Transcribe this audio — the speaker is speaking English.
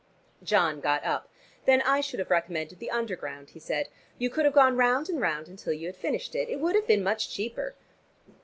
John got up. "Then I should have recommended the Underground," he said. "You could have gone round and round until you had finished. It would have been much cheaper."